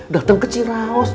datang ke ciraos